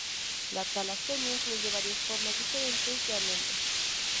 La talasemia incluye varias formas diferentes de anemia.